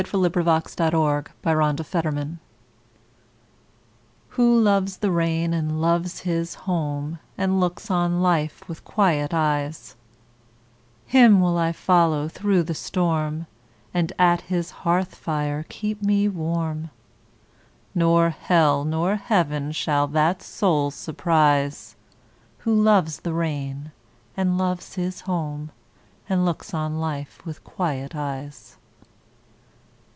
Who Loves the Rain By Frances Shaw WHO loves the rainAnd loves his home, And looks on life with quiet eyes, Him will I follow through the storm; And at his hearth fire keep me warm; Nor hell nor heaven shall that soul surprise, Who loves the rain, And loves his home, And looks on life with quiet eyes.